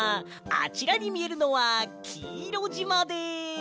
あちらにみえるのはきいろじまです！